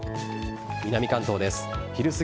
南関東です。